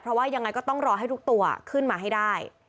เพราะว่ายังไงก็ต้องรอให้ทุกตัวขึ้นมาให้ได้